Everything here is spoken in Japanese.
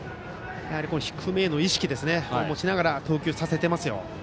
低めへの意識を持ちながら投球をさせていますよ。